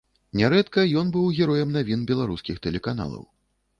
Нярэдка ён быў героем навін беларускіх тэлеканалаў.